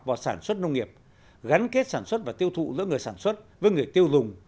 vào sản xuất nông nghiệp gắn kết sản xuất và tiêu thụ giữa người sản xuất với người tiêu dùng